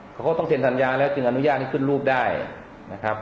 เขาก็ต้องเซ็นสัญญาแล้วจึงอนุญาตให้ขึ้นรูปได้นะครับ